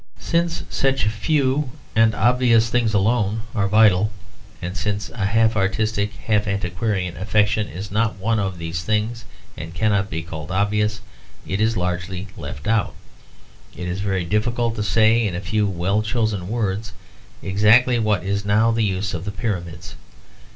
Since such few and obvious things alone are vital, and since a half artistic half antiquarian affection is not one of these things, and cannot be called obvious, it is largely left out. It is very difficult to say in a few well chosen words exactly what is now the use of the Pyramids.